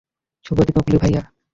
শুভ দীপাবলি, ভাইয়া।